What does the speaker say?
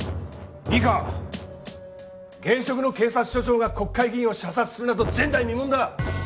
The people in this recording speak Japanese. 現職の警察署長が国会議員を射殺するなど前代未聞だ。